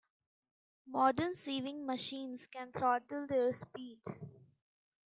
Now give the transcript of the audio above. Modern sewing machines can throttle their speed.